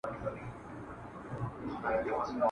خو په ژوند کي یې نصیب دا یو کمال وو ..